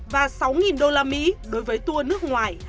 và sáu usd đối với tour nước ngoài